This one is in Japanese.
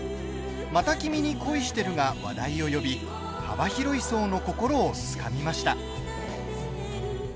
「また君に恋してる」が話題を呼び幅広い層の心をつかみました。